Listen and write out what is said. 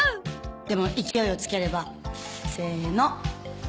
でも勢いをつければせーの！